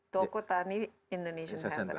toko tani indonesia center